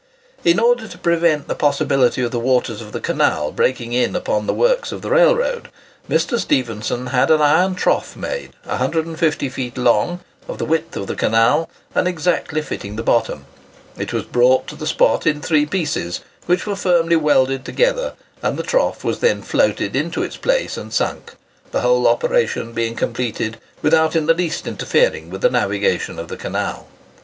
In order to prevent the possibility of the waters of the canal breaking in upon the works of the railroad, Mr. Stephenson had an iron trough made, 150 feet long, of the width of the canal, and exactly fitting the bottom. It was brought to the spot in three pieces, which were firmly welded together, and the trough was then floated into its place and sunk; the whole operation being completed without in the least interfering with the navigation of the canal.